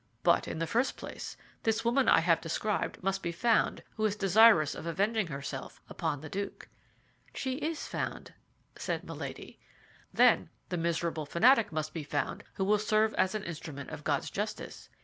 "But in the first place, this woman I have described must be found who is desirous of avenging herself upon the duke." "She is found," said Milady. "Then the miserable fanatic must be found who will serve as an instrument of God's justice."